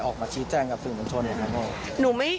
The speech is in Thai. ออกมาชี้แจ้งกับสิ่งบัญชนหรือเปล่า